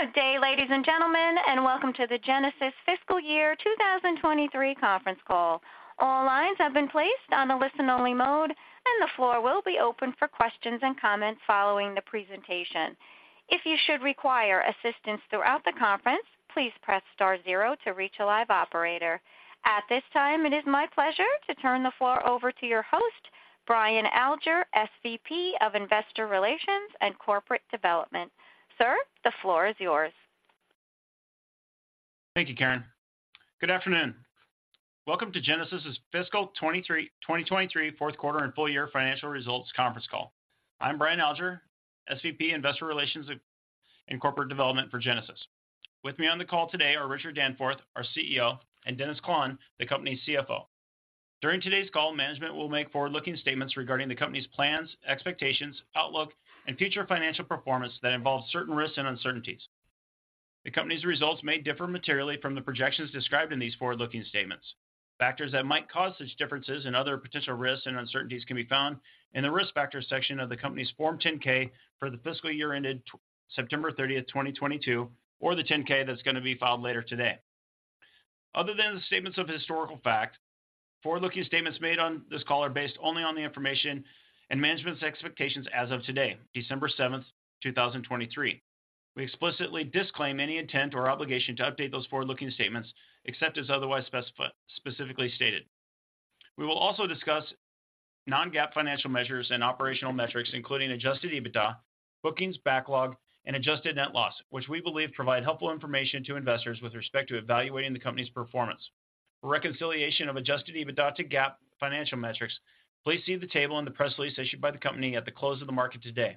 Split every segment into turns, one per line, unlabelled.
Good day, ladies and gentlemen, and welcome to the Genasys FY 2023 conference call. All lines have been placed on a listen-only mode, and the floor will be open for questions and comments following the presentation. If you should require assistance throughout the conference, please press star zero to reach a live operator. At this time, it is my pleasure to turn the floor over to your host, Brian Alger, SVP of Investor Relations and Corporate Development. Sir, the floor is yours.
Thank you, Karen. Good afternoon. Welcome to Genasys's Fiscal 2023 Q4 and Full Year Financial Results Conference Call. I'm Brian Alger, SVP, Investor Relations and Corporate Development for Genasys. With me on the call today are Richard Danforth, our CEO, and Dennis Klahn, the company's CFO. During today's call, management will make forward-looking statements regarding the company's plans, expectations, outlook, and future financial performance that involve certain risks and uncertainties. The company's results may differ materially from the projections described in these forward-looking statements. Factors that might cause such differences and other potential risks and uncertainties can be found in the Risk Factors section of the company's Form 10-K for the FY ended 30 September, 2022, or the 10-K that's going to be filed later today. Other than the statements of historical fact, forward-looking statements made on this call are based only on the information and management's expectations as of today, 7 December, 2023. We explicitly disclaim any intent or obligation to update those forward-looking statements, except as otherwise specified, specifically stated. We will also discuss non-GAAP financial measures and operational metrics, including adjusted EBITDA, bookings, backlog, and adjusted net loss, which we believe provide helpful information to investors with respect to evaluating the company's performance. For reconciliation of adjusted EBITDA to GAAP financial metrics, please see the table in the press release issued by the company at the close of the market today.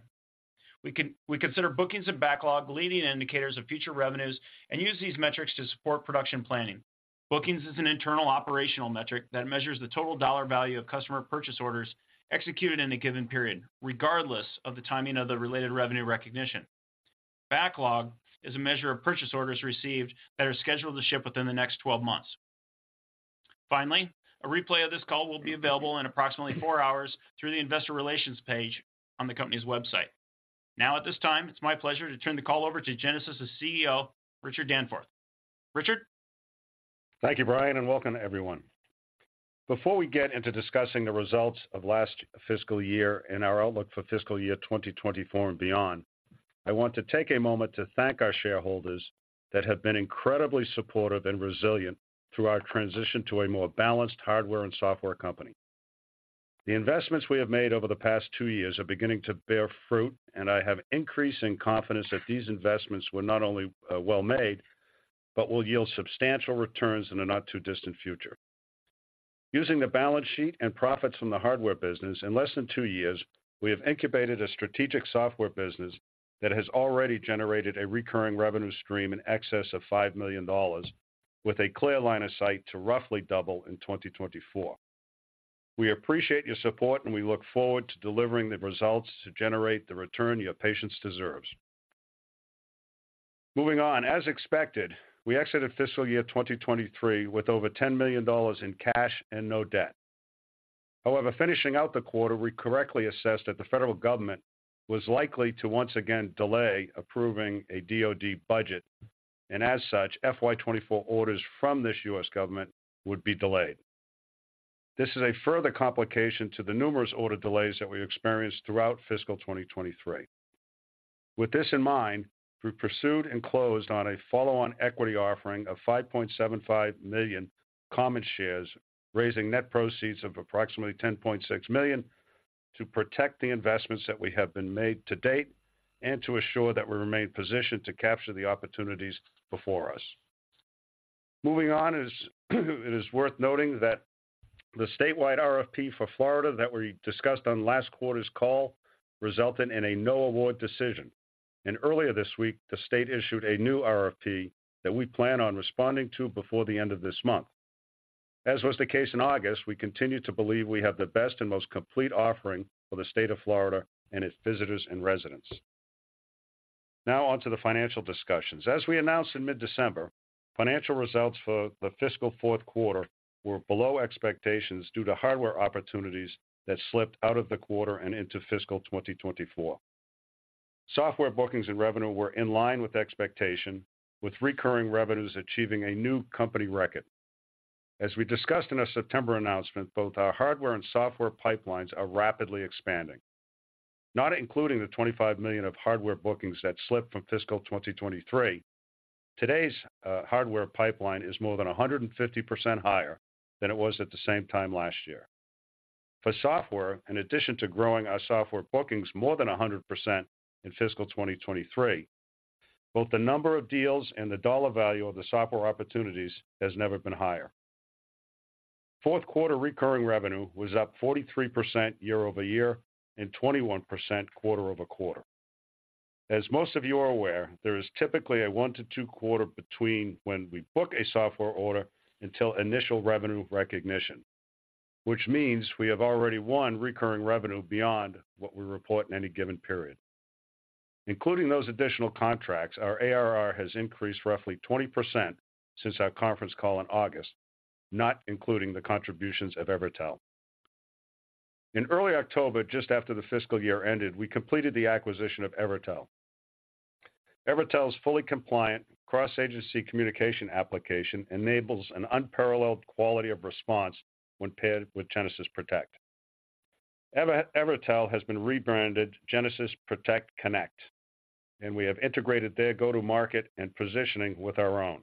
We consider bookings and backlog leading indicators of future revenues and use these metrics to support production planning. Bookings is an internal operational metric that measures the total dollar value of customer purchase orders executed in a given period, regardless of the timing of the related revenue recognition. Backlog is a measure of purchase orders received that are scheduled to ship within the next 12 months. Finally, a replay of this call will be available in approximately 4 hours through the investor relations page on the company's website. Now, at this time, it's my pleasure to turn the call over to Genasys's CEO, Richard Danforth. Richard?
Thank you, Brian, and welcome, everyone. Before we get into discussing the results of last FY and our outlook for FY 2024 and beyond, I want to take a moment to thank our shareholders that have been incredibly supportive and resilient through our transition to a more balanced hardware and software company. The investments we have made over the past two years are beginning to bear fruit, and I have increasing confidence that these investments were not only well-made, but will yield substantial returns in the not-too-distant future. Using the balance sheet and profits from the hardware business, in less than two years, we have incubated a strategic software business that has already generated a recurring revenue stream in excess of $5 million, with a clear line of sight to roughly double in 2024. We appreciate your support, and we look forward to delivering the results to generate the return your patience deserves. Moving on, as expected, we exited FY 2023 with over $10 million in cash and no debt. However, finishing out the quarter, we correctly assessed that the federal government was likely to once again delay approving a DoD budget, and as such, FY 2024 orders from this U.S. government would be delayed. This is a further complication to the numerous order delays that we experienced throughout FY 2023. With this in mind, we pursued and closed on a follow-on equity offering of 5.75 million common shares, raising net proceeds of approximately $10.6 million to protect the investments that we have been made to date and to assure that we remain positioned to capture the opportunities before us. Moving on, it is worth noting that the statewide RFP for Florida that we discussed on last quarter's call resulted in a no award decision, and earlier this week, the state issued a new RFP that we plan on responding to before the end of this month. As was the case in August, we continue to believe we have the best and most complete offering for the state of Florida and its visitors and residents. Now onto the financial discussions. As we announced in mid-December, financial results for the fiscal fourth quarter were below expectations due to hardware opportunities that slipped out of the quarter and into fiscal 2024. Software bookings and revenue were in line with expectation, with recurring revenues achieving a new company record. As we discussed in our September announcement, both our hardware and software pipelines are rapidly expanding. Not including the $25 million of hardware bookings that slipped from fiscal 2023, today's hardware pipeline is more than 150% higher than it was at the same time last year. For software, in addition to growing our software bookings more than 100% in fiscal 2023, both the number of deals and the dollar value of the software opportunities has never been higher. Fourth quarter recurring revenue was up 43% year-over-year and 21% quarter-over-quarter. As most of you are aware, there is typically a one- to two-quarter between when we book a software order until initial revenue recognition, which means we have already won recurring revenue beyond what we report in any given period. Including those additional contracts, our ARR has increased roughly 20% since our conference call in August, not including the contributions of Evertel. In early October, just after the FY ended, we completed the acquisition of Evertel. Evertel's fully compliant cross-agency communication application enables an unparalleled quality of response when paired with Genasys Protect. Evertel has been rebranded Genasys Protect CONNECT, and we have integrated their go-to-market and positioning with our own.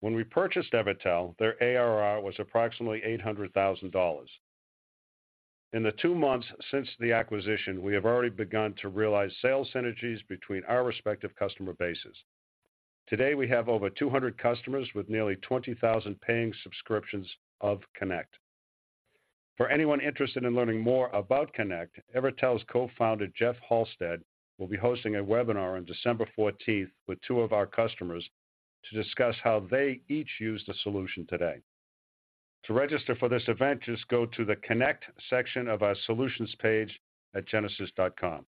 When we purchased Evertel, their ARR was approximately $800,000. In the two months since the acquisition, we have already begun to realize sales synergies between our respective customer bases. Today, we have over 200 customers with nearly 20,000 paying subscriptions of Connect. For anyone interested in learning more about Connect, Evertel's co-founder, Jeff Halstead, will be hosting a webinar on December fourteenth with two of our customers to discuss how they each use the solution today. To register for this event, just go to the Connect section of our solutions page at genasys.com.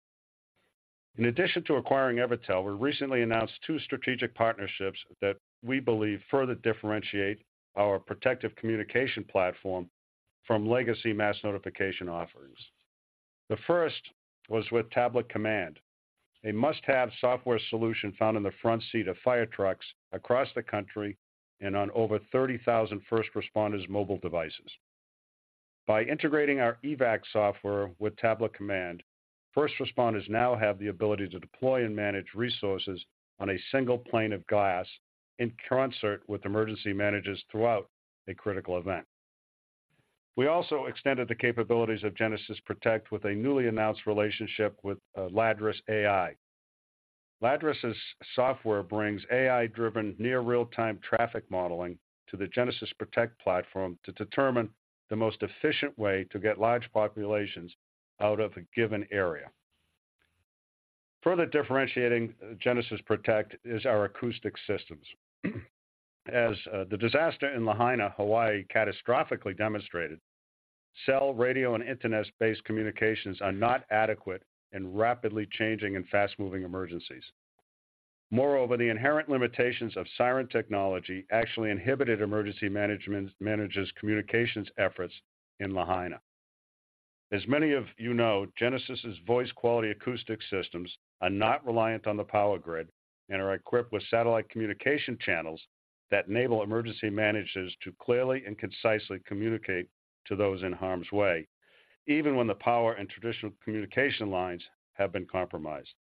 In addition to acquiring Evertel, we recently announced two strategic partnerships that we believe further differentiate our protective communication platform from legacy mass notification offerings. The first was with Tablet Command, a must-have software solution found in the front seat of fire trucks across the country and on over 30,000 first responders' mobile devices. By integrating our EVAC software with Tablet Command, first responders now have the ability to deploy and manage resources on a single pane of glass in concert with emergency managers throughout a critical event. We also extended the capabilities of Genasys Protect with a newly announced relationship with Ladris AI. Ladris' software brings AI-driven, near real-time traffic modeling to the Genasys Protect platform to determine the most efficient way to get large populations out of a given area. Further differentiating Genasys Protect is our acoustic systems. As the disaster in Lahaina, Hawaii, catastrophically demonstrated, cell, radio, and internet-based communications are not adequate in rapidly changing and fast-moving emergencies. Moreover, the inherent limitations of siren technology actually inhibited emergency managers' communications efforts in Lahaina. As many of you know, Genasys' voice quality acoustic systems are not reliant on the power grid and are equipped with satellite communication channels that enable emergency managers to clearly and concisely communicate to those in harm's way, even when the power and traditional communication lines have been compromised.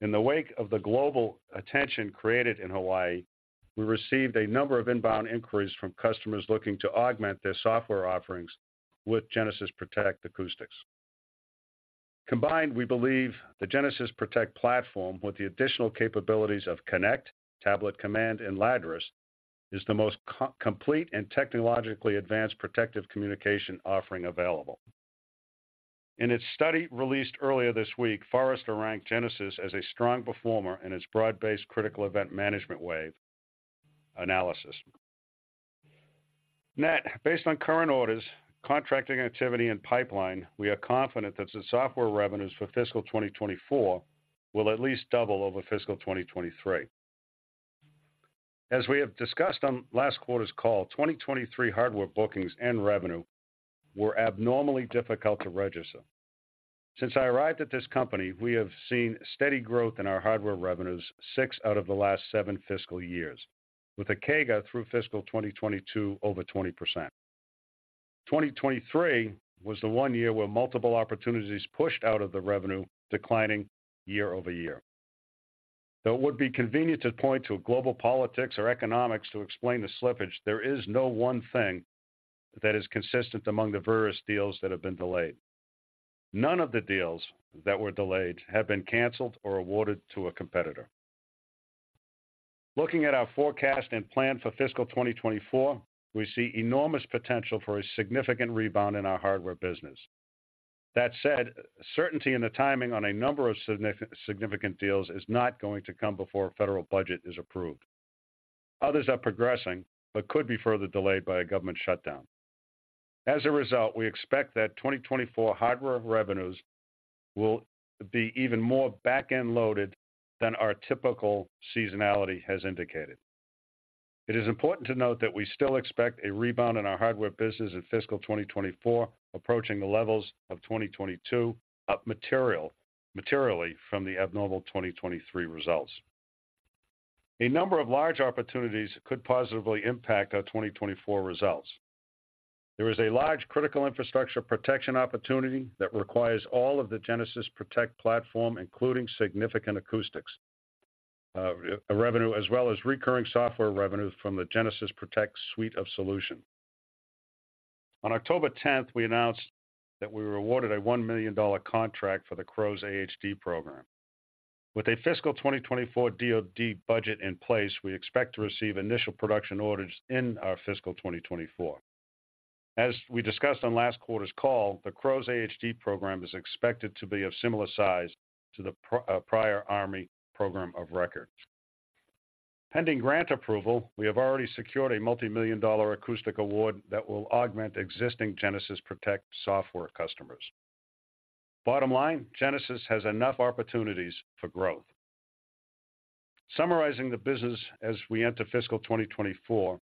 In the wake of the global attention created in Hawaii, we received a number of inbound inquiries from customers looking to augment their software offerings with Genasys Protect Acoustics. Combined, we believe the Genasys Protect platform, with the additional capabilities of Connect, Tablet Command, and Ladris, is the most comprehensive and technologically advanced protective communication offering available. In its study released earlier this week, Forrester ranked Genasys as a strong performer in its broad-based critical event management wave analysis. Net, based on current orders, contracting activity, and pipeline, we are confident that the software revenues for fiscal 2024 will at least double over fiscal 2023. As we have discussed on last quarter's call, 2023 hardware bookings and revenue were abnormally difficult to register. Since I arrived at this company, we have seen steady growth in our hardware revenues six out of the last seven fiscal years, with a CAGR through fiscal 2022 over 20%. 2023 was the one year where multiple opportunities pushed out of the revenue, declining year-over-year. Though it would be convenient to point to global politics or economics to explain the slippage, there is no one thing that is consistent among the various deals that have been delayed. None of the deals that were delayed have been canceled or awarded to a competitor. Looking at our forecast and plan for fiscal 2024, we see enormous potential for a significant rebound in our hardware business. That said, certainty in the timing on a number of significant deals is not going to come before a federal budget is approved. Others are progressing but could be further delayed by a government shutdown. As a result, we expect that 2024 hardware revenues will be even more back-end loaded than our typical seasonality has indicated. It is important to note that we still expect a rebound in our hardware business in fiscal 2024, approaching the levels of 2022, up materially from the abnormal 2023 results. A number of large opportunities could positively impact our 2024 results. There is a large critical infrastructure protection opportunity that requires all of the Genasys Protect platform, including significant acoustics revenue, as well as recurring software revenues from the Genasys Protect suite of solutions. On October 10, we announced that we were awarded a $1 million contract for the CROWS-AHD program. With a fiscal 2024 DoD budget in place, we expect to receive initial production orders in our fiscal 2024. As we discussed on last quarter's call, the CROWS AHD program is expected to be of similar size to the prior Army program of records. Pending grant approval, we have already secured a $multi-million acoustic award that will augment existing Genasys Protect software customers. Bottom line, Genasys has enough opportunities for growth. Summarizing the business as we enter fiscal 2024,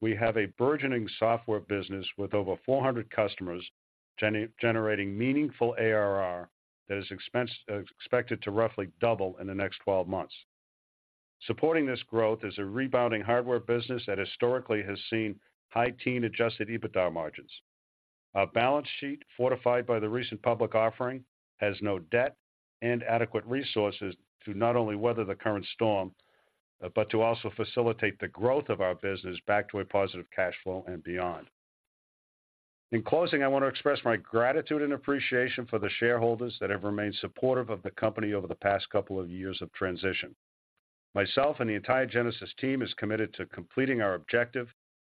we have a burgeoning software business with over 400 customers, generating meaningful ARR that is expected to roughly double in the next 12 months. Supporting this growth is a rebounding hardware business that historically has seen high-teens adjusted EBITDA margins. Our balance sheet, fortified by the recent public offering, has no debt and adequate resources to not only weather the current storm, but to also facilitate the growth of our business back to a positive cash flow and beyond. In closing, I want to express my gratitude and appreciation for the shareholders that have remained supportive of the company over the past couple of years of transition. Myself and the entire Genasys team is committed to completing our objective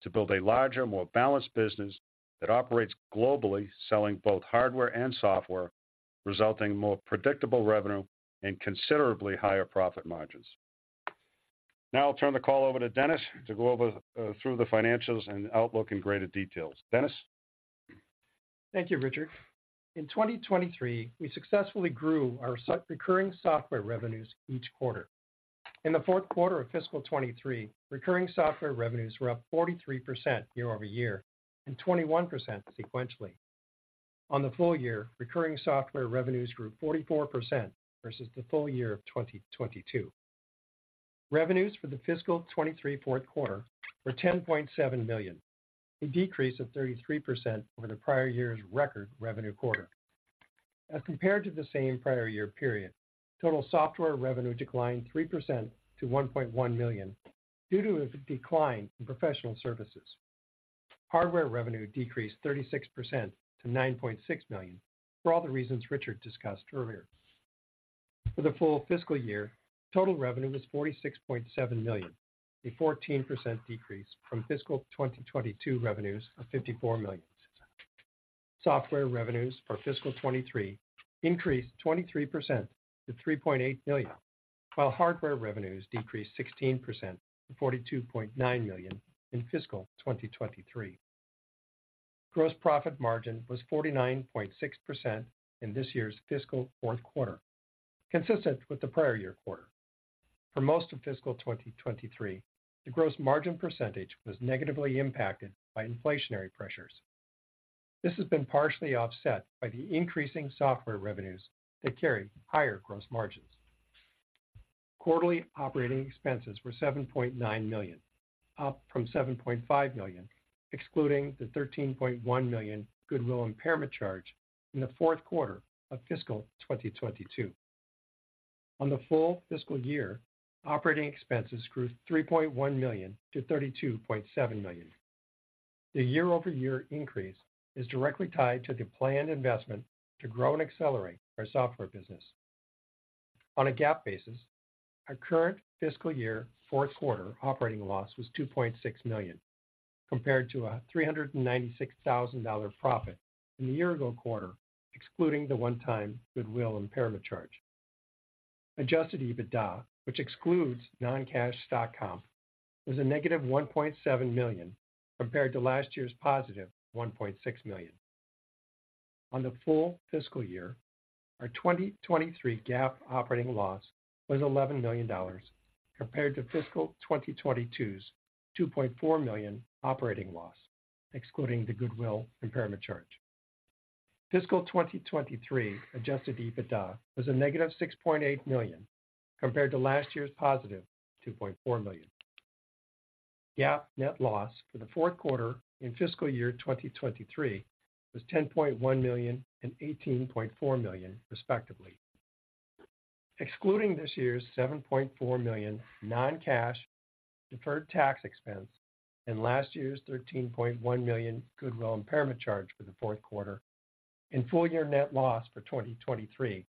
to build a larger, more balanced business that operates globally, selling both hardware and software, resulting in more predictable revenue and considerably higher profit margins. Now I'll turn the call over to Dennis to go over, through the financials and outlook in greater details. Dennis?
Thank you, Richard. In 2023, we successfully grew our recurring software revenues each quarter. In the fourth quarter of fiscal 2023, recurring software revenues were up 43% year-over-year and 21% sequentially. On the full year, recurring software revenues grew 44% versus the full year of 2022. Revenues for the fiscal 2023 fourth quarter were $10.7 million, a decrease of 33% over the prior year's record revenue quarter. As compared to the same prior year period, total software revenue declined 3% to $1.1 million due to a decline in professional services. Hardware revenue decreased 36% to $9.6 million, for all the reasons Richard discussed earlier. For the full fiscal year, total revenue was $46.7 million, a 14% decrease from fiscal 2022 revenues of $54 million. Software revenues for fiscal 2023 increased 23% to $3.8 million, while hardware revenues decreased 16% to $42.9 million in fiscal 2023. Gross profit margin was 49.6% in this year's fiscal fourth quarter, consistent with the prior year quarter. For most of fiscal 2023, the gross margin percentage was negatively impacted by inflationary pressures. This has been partially offset by the increasing software revenues that carry higher gross margins. Quarterly operating expenses were $7.9 million, up from $7.5 million, excluding the $13.1 million goodwill impairment charge in the fourth quarter of fiscal 2022. On the full FY, operating expenses grew $3.1 to 32.7 million. The year-over-year increase is directly tied to the planned investment to grow and accelerate our software business. On a GAAP basis, our current FY Q4 operating loss was $2.6 million, compared to a $396,000 profit in the year-ago quarter, excluding the one-time goodwill impairment charge. Adjusted EBITDA, which excludes non-cash stock comp, was a negative $1.7 million, compared to last year's positive $1.6 million. On the full FY, our 2023 GAAP operating loss was $11 million, compared to fiscal 2022's $2.4 million operating loss, excluding the goodwill impairment charge. Fiscal 2023 adjusted EBITDA was a negative $6.8 million, compared to last year's positive $2.4 million. GAAP net loss for the fourth quarter in FY 2023 was $10.1 million and $18.4 million, respectively. Excluding this year's $7.4 million non-cash deferred tax expense and last year's $13.1 million goodwill impairment charge for the fourth quarter, and full year net loss for 2023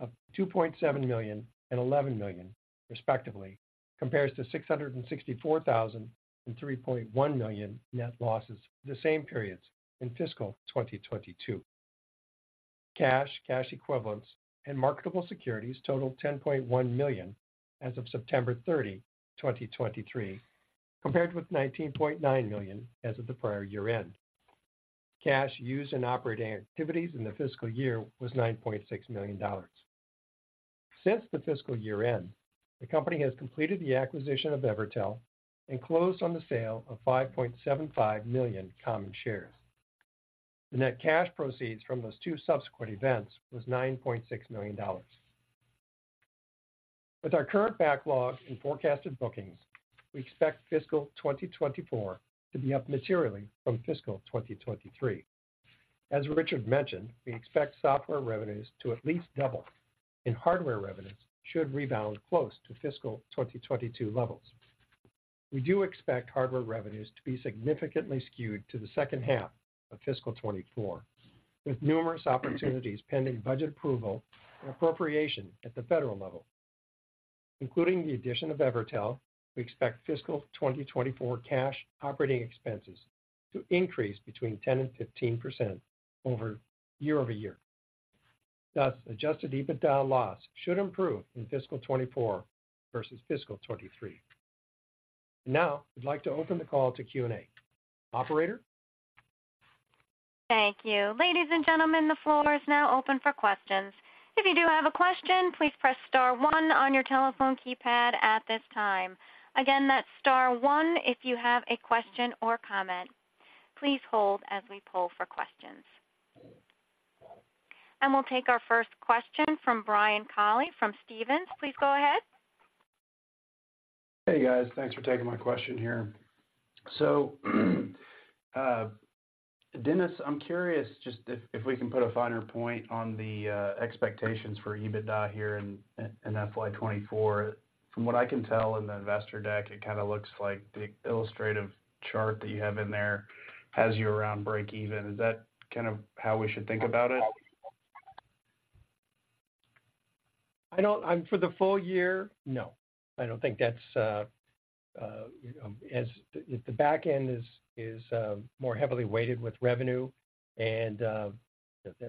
of $2.7 million and $11 million, respectively, compares to $664,000 and $3.1 million net losses for the same periods in fiscal 2022. Cash, cash equivalents, and marketable securities totaled $10.1 million as of September 30, 2023, compared with $19.9 million as of the prior year end. Cash used in operating activities in the FY was $9.6 million. Since the FY end, the company has completed the acquisition of Evertel and closed on the sale of 5.75 million common shares. The net cash proceeds from those two subsequent events was $9.6 million. With our current backlog and forecasted bookings, we expect fiscal 2024 to be up materially from fiscal 2023. As Richard mentioned, we expect software revenues to at least double, and hardware revenues should rebound close to fiscal 2022 levels. We do expect hardware revenues to be significantly skewed to the second half of fiscal 2024, with numerous opportunities pending budget approval and appropriation at the federal level. Including the addition of Evertel, we expect fiscal 2024 cash operating expenses to increase between 10%-15% over year-over-year. Thus, adjusted EBITDA loss should improve in fiscal 2024 versus fiscal 2023. Now, we'd like to open the call to Q&A. Operator?...
Thank you. Ladies and gentlemen, the floor is now open for questions. If you do have a question, please press star one on your telephone keypad at this time. Again, that's star one if you have a question or comment. Please hold as we poll for questions. And we'll take our first question from Brian Colley from Stephens. Please go ahead.
Hey, guys. Thanks for taking my question here. So, Dennis, I'm curious just if we can put a finer point on the expectations for EBITDA here in FY 2024. From what I can tell in the investor deck, it kind of looks like the illustrative chart that you have in there has you around break even. Is that kind of how we should think about it?
I don't for the full year, no, I don't think that's, you know, The back end is more heavily weighted with revenue, and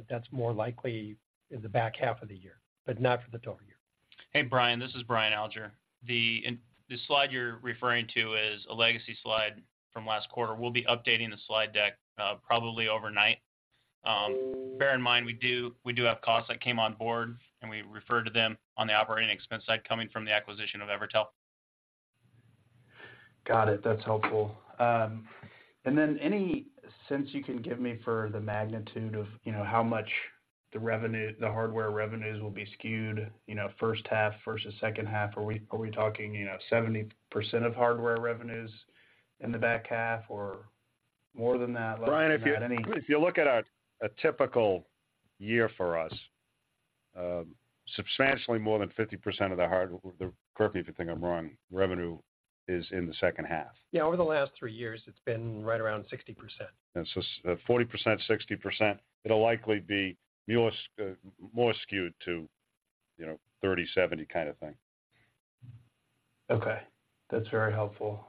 that's more likely in the back half of the year, but not for the total year.
Hey, Brian, this is Brian Alger. The slide you're referring to is a legacy slide from last quarter. We'll be updating the slide deck, probably overnight. Bear in mind, we do, we do have costs that came on board, and we refer to them on the operating expense side, coming from the acquisition of Evertel.
Got it. That's helpful. Then any sense you can give me for the magnitude of, you know, how much the revenue, the hardware revenues will be skewed, you know, first half versus second half? Are we talking, you know, 70% of hardware revenues in the back half or more than that, less than that, any-
Brian, if you, if you look at a typical year for us, substantially more than 50% of the, well, correct me if you think I'm wrong, revenue is in the second half.
Yeah, over the last three years, it's been right around 60%.
And so, 40%, 60%, it'll likely be more skewed to, you know, 30, 70 kind of thing.
Okay, that's very helpful.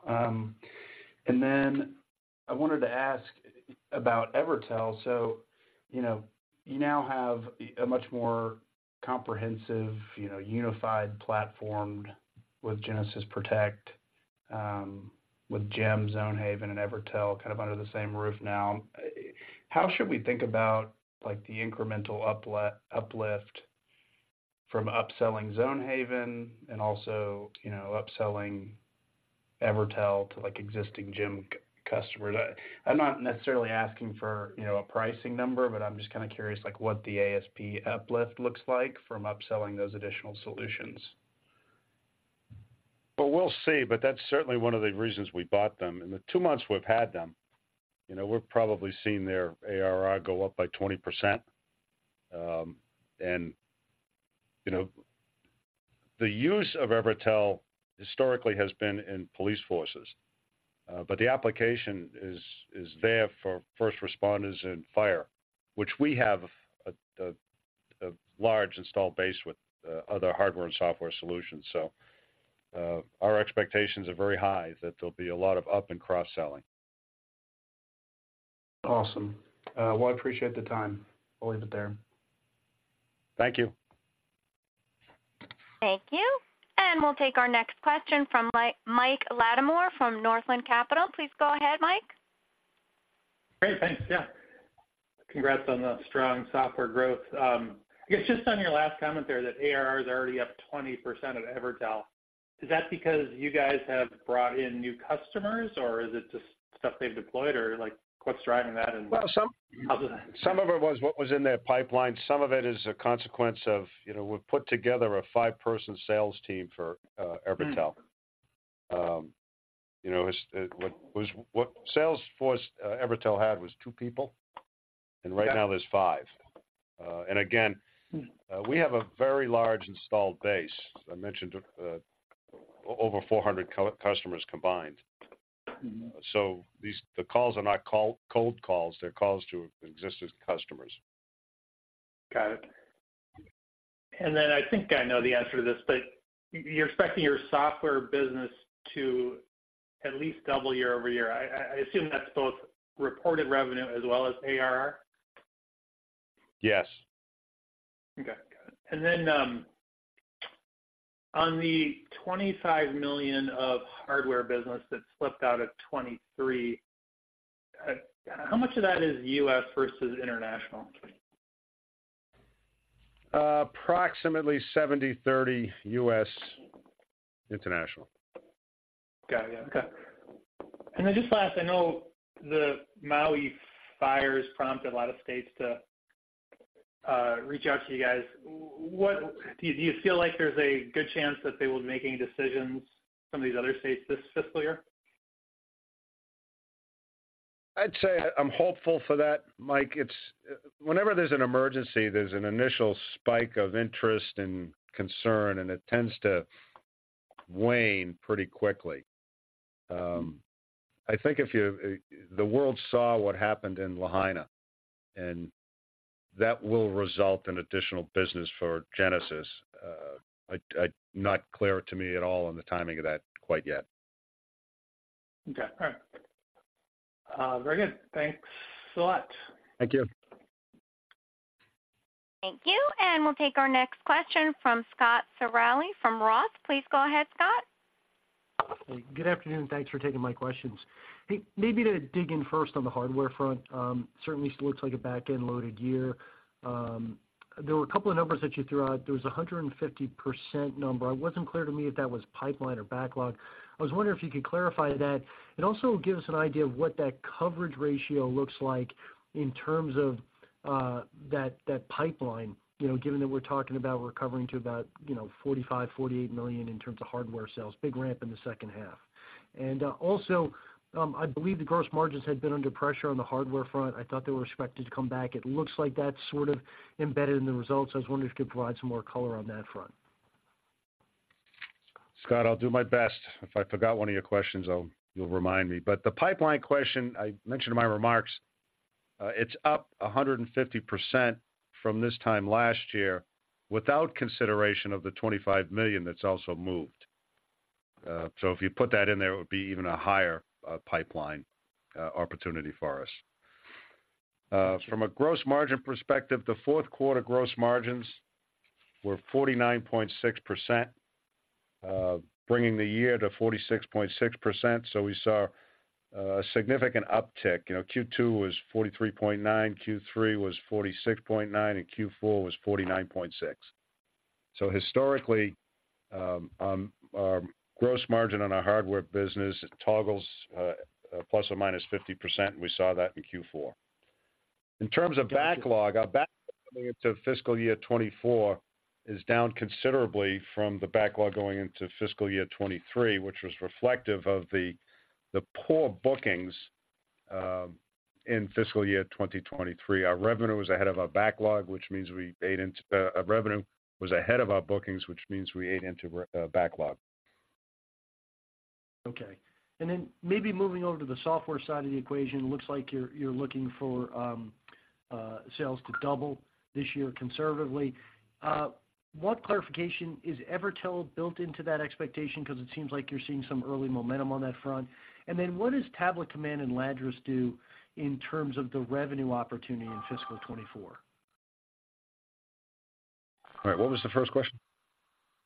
And then I wanted to ask about Evertel. So, you know, you now have a much more comprehensive, you know, unified platform with Genasys Protect, with GEM, Zonehaven, and Evertel kind of under the same roof now. How should we think about, like, the incremental uplift from upselling Zonehaven and also, you know, upselling Evertel to, like, existing GEM customers? I, I'm not necessarily asking for, you know, a pricing number, but I'm just kind of curious, like, what the ASP uplift looks like from upselling those additional solutions.
Well, we'll see, but that's certainly one of the reasons we bought them. In the two months we've had them, you know, we've probably seen their ARR go up by 20%. And, you know, the use of Evertel historically has been in police forces, but the application is there for first responders and fire, which we have a large installed base with, other hardware and software solutions. So, our expectations are very high that there'll be a lot of up- and cross-selling.
Awesome. Well, I appreciate the time. I'll leave it there.
Thank you. Thank you. And we'll take our next question from Mike Latimore from Northland Capital. Please go ahead, Mike.
Great. Thanks. Yeah. Congrats on the strong software growth. I guess just on your last comment there, that ARR is already up 20% at Evertel, is that because you guys have brought in new customers, or is it just stuff they've deployed? Or, like, what's driving that and-
Well, some of it was what was in their pipeline. Some of it is a consequence of, you know, we've put together a 5-person sales team for Evertel. You know, it's what sales force Evertel had was 2 people, and right now there's 5. And again, we have a very large installed base. I mentioned over 400 customers combined.
Mm-hmm.
So the calls are not cold calls, they're calls to existing customers.
Got it. And then I think I know the answer to this, but you're expecting your software business to at least double year-over-year. I assume that's both reported revenue as well as ARR?
Yes.
Okay, got it. And then, on the $25 million of hardware business that slipped out of 2023, how much of that is U.S. versus international?
Approximately 70 to 30, U.S., international.
Got it. Yeah. Okay. And then just last, I know the Maui fires prompted a lot of states to reach out to you guys. What do you feel like there's a good chance that they will be making decisions, some of these other states, this FY?
I'd say I'm hopeful for that, Mike. It's whenever there's an emergency, there's an initial spike of interest and concern, and it tends to wane pretty quickly. The world saw what happened in Lahaina, and that will result in additional business for Genasys. It's not clear to me at all on the timing of that quite yet.
Okay. All right. Very good. Thanks a lot.
Thank you....
Thank you, and we'll take our next question from Scott Searle from Roth. Please go ahead, Scott.
Hey, good afternoon, and thanks for taking my questions. Hey, maybe to dig in first on the hardware front, certainly still looks like a back-end loaded year. There were a couple of numbers that you threw out. There was a 150% number. It wasn't clear to me if that was pipeline or backlog. I was wondering if you could clarify that, and also give us an idea of what that coverage ratio looks like in terms of, that, that pipeline. You know, given that we're talking about recovering to about, you know, $45-$48 million in terms of hardware sales, big ramp in the second half. Also, I believe the gross margins had been under pressure on the hardware front. I thought they were expected to come back. It looks like that's sort of embedded in the results. I was wondering if you could provide some more color on that front.
Scott, I'll do my best. If I forgot one of your questions, I'll—you'll remind me. But the pipeline question, I mentioned in my remarks, it's up 150% from this time last year, without consideration of the $25 million that's also moved. So if you put that in there, it would be even a higher pipeline opportunity for us. From a gross margin perspective, the fourth quarter gross margins were 49.6%, bringing the year to 46.6%. So we saw a significant uptick. You know, Q2 was 43.9, Q3 was 46.9, and Q4 was 49.6. So historically, our gross margin on our hardware business toggles ±50%, and we saw that in Q4. In terms of backlog, our backlog coming into FY 2024 is down considerably from the backlog going into FY 2023, which was reflective of the poor bookings in FY 2023. Our revenue was ahead of our backlog, which means we ate into, revenue was ahead of our bookings, which means we ate into backlog.
Okay. And then maybe moving over to the software side of the equation, it looks like you're looking for sales to double this year, conservatively. What clarification is Evertel built into that expectation? Because it seems like you're seeing some early momentum on that front. And then what does Tablet Command and Ladris do in terms of the revenue opportunity in fiscal 2024?
All right, what was the first question?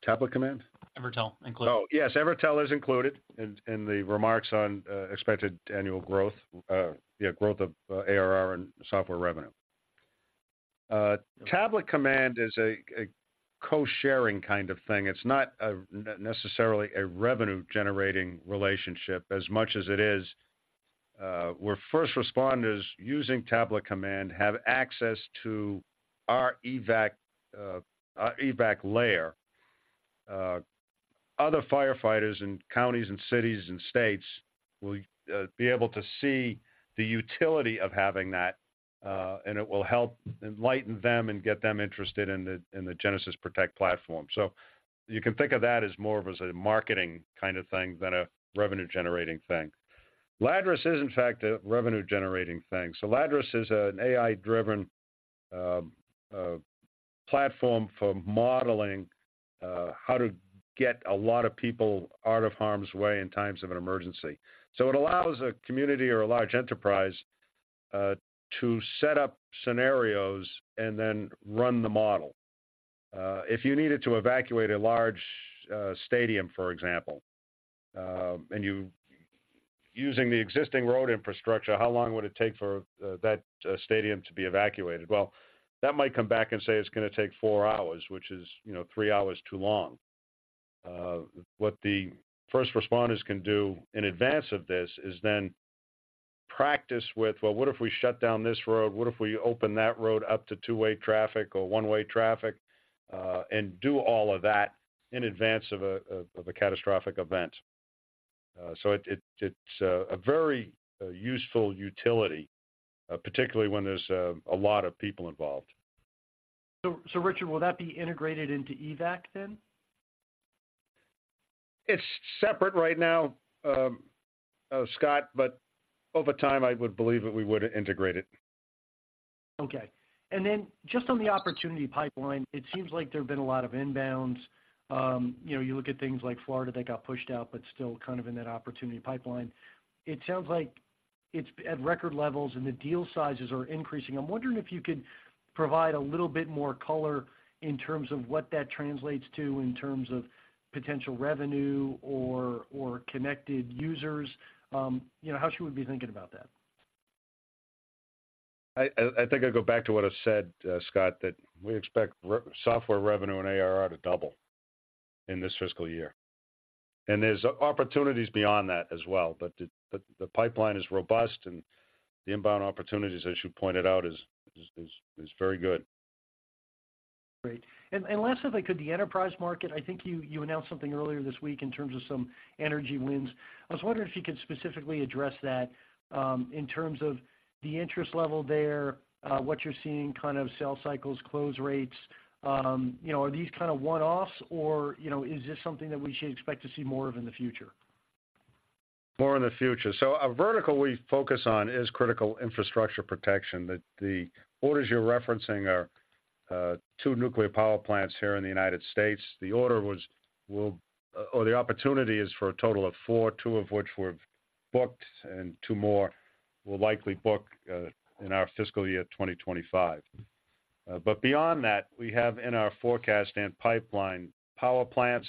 Tablet Command?
Evertel included.
Oh, yes, Evertel is included in the remarks on expected annual growth, yeah, growth of ARR and software revenue. Tablet Command is a co-sharing kind of thing. It's not necessarily a revenue-generating relationship as much as it is where first responders using Tablet Command have access to our EVAC, our EVAC layer. Other firefighters in counties and cities and states will be able to see the utility of having that, and it will help enlighten them and get them interested in the Genasys Protect platform. So you can think of that as more of a marketing kind of thing than a revenue-generating thing. Ladris is, in fact, a revenue-generating thing. So Ladris is an AI-driven platform for modeling how to get a lot of people out of harm's way in times of an emergency. So it allows a community or a large enterprise to set up scenarios and then run the model. If you needed to evacuate a large stadium, for example, and you... Using the existing road infrastructure, how long would it take for that stadium to be evacuated? Well, that might come back and say it's gonna take four hours, which is, you know, three hours too long. What the first responders can do in advance of this is then practice with, well, what if we shut down this road? What if we open that road up to two-way traffic or one-way traffic? And do all of that in advance of a catastrophic event. So it's a very useful utility, particularly when there's a lot of people involved.
So, Richard, will that be integrated into EVAC then?
It's separate right now, Scott, but over time, I would believe that we would integrate it.
Okay. And then just on the opportunity pipeline, it seems like there have been a lot of inbounds. You know, you look at things like Florida, that got pushed out, but still kind of in that opportunity pipeline. It sounds like it's at record levels and the deal sizes are increasing. I'm wondering if you could provide a little bit more color in terms of what that translates to in terms of potential revenue or, or connected users. You know, how should we be thinking about that?
I think I'd go back to what I said, Scott, that we expect software revenue and ARR to double in this FY, and there's opportunities beyond that as well. But the pipeline is robust, and the inbound opportunities, as you pointed out, is very good.
Great. And last, if I could, the enterprise market, I think you announced something earlier this week in terms of some energy wins. I was wondering if you could specifically address that in terms of the interest level there, what you're seeing, kind of sales cycles, close rates. You know, are these kind of one-offs or, you know, is this something that we should expect to see more of in the future?
More in the future. So a vertical we focus on is critical infrastructure protection, that the orders you're referencing are two nuclear power plants here in the United States. The order was, will—or the opportunity is for a total of four, two of which were booked, and two more will likely book in our FY 2025. But beyond that, we have in our forecast and pipeline, power plants,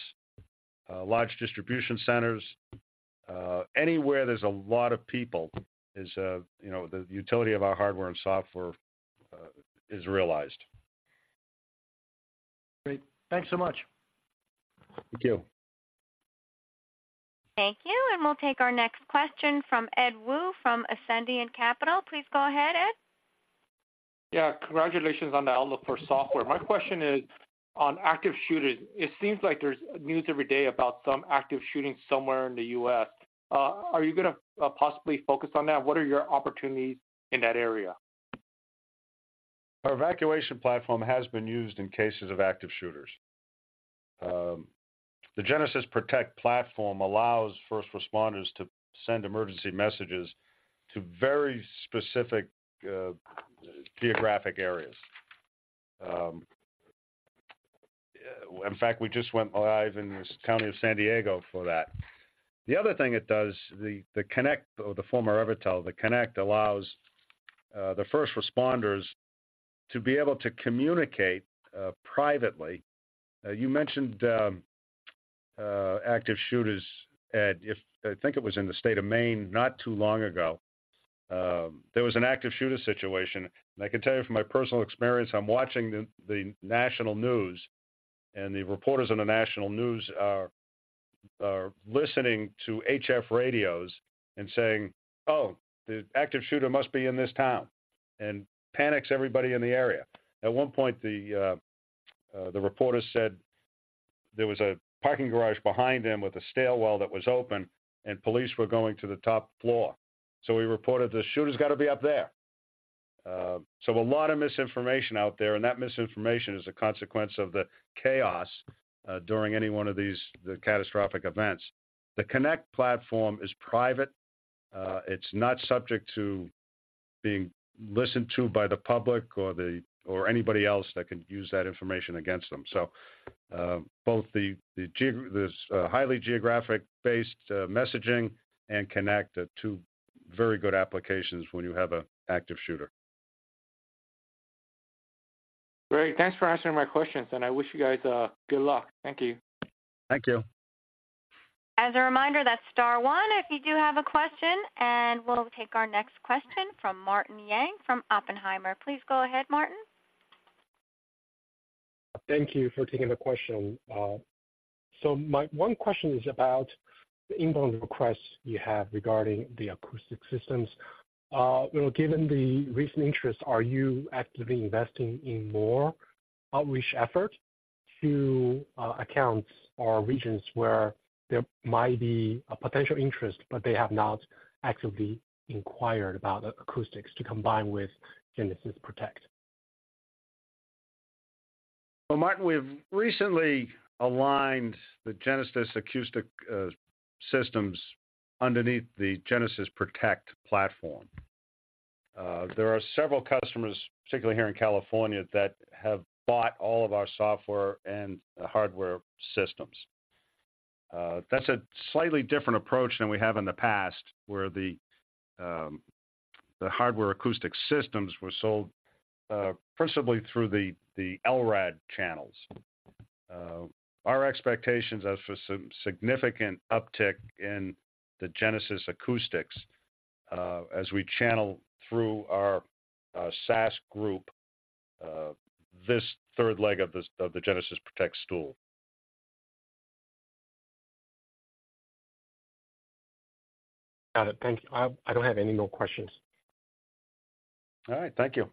large distribution centers. Anywhere there's a lot of people is, you know, the utility of our hardware and software is realized.
Great. Thanks so much.
Thank you.
Thank you, and we'll take our next question from Ed Wu from Ascendiant Capital. Please go ahead, Ed.
Yeah, congratulations on the outlook for software. My question is on active shooters. It seems like there's news every day about some active shooting somewhere in the U.S. Are you gonna possibly focus on that? What are your opportunities in that area?
Our evacuation platform has been used in cases of active shooters. The Genasys Protect platform allows first responders to send emergency messages to very specific geographic areas. In fact, we just went live in the county of San Diego for that. The other thing it does, the Connect or the former Evertel, the Connect, allows the first responders to be able to communicate privately. You mentioned active shooters, Ed. I think it was in the state of Maine not too long ago, there was an active shooter situation. I can tell you from my personal experience, I'm watching the national news, and the reporters on the national news are listening to HF radios and saying, "Oh, the active shooter must be in this town," and panics everybody in the area. At one point, the reporter said there was a parking garage behind him with a stairwell that was open, and police were going to the top floor, so we reported, "The shooter's got to be up there." So a lot of misinformation out there, and that misinformation is a consequence of the chaos during any one of these, the catastrophic events. The Connect platform is private. It's not subject to being listened to by the public or anybody else that can use that information against them. So this highly geographic-based messaging and connect are two very good applications when you have a active shooter.
Great, thanks for answering my questions, and I wish you guys good luck. Thank you.
Thank you.
As a reminder, that's star one if you do have a question, and we'll take our next question from Martin Yang from Oppenheimer. Please go ahead, Martin.
Thank you for taking the question. So my one question is about the inbound requests you have regarding the acoustic systems. Well, given the recent interest, are you actively investing in more outreach efforts to, accounts or regions where there might be a potential interest, but they have not actively inquired about acoustics to combine with Genasys Protect?
Well, Martin, we've recently aligned the Genasys Acoustics underneath the Genasys Protect platform. There are several customers, particularly here in California, that have bought all of our software and hardware systems. That's a slightly different approach than we have in the past, where the hardware acoustic systems were sold principally through the LRAD channels. Our expectations are for some significant uptick in the Genasys Acoustics as we channel through our SaaS group this third leg of this of the Genasys Protect stool.
Got it. Thank you. I don't have any more questions.
All right, thank you.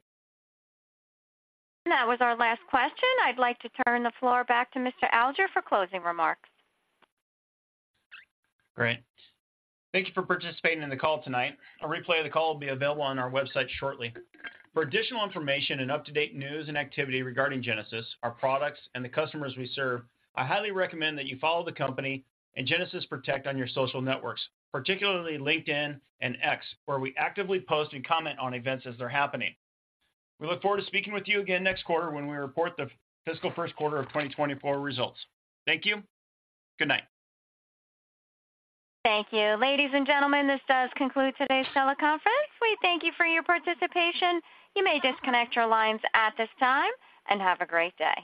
That was our last question. I'd like to turn the floor back to Mr. Alger for closing remarks. Great. Thank you for participating in the call tonight. A replay of the call will be available on our website shortly. For additional information and up-to-date news and activity regarding Genasys, our products, and the customers we serve, I highly recommend that you follow the company and Genasys Protect on your social networks, particularly LinkedIn and X, where we actively post and comment on events as they're happening. We look forward to speaking with you again next quarter when we report the fiscal first quarter of twenty twenty-four results. Thank you. Good night. Thank you. Ladies and gentlemen, this does conclude today's teleconference. We thank you for your participation. You may disconnect your lines at this time, and have a great day.